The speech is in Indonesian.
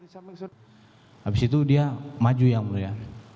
setelah itu dia maju yang mulia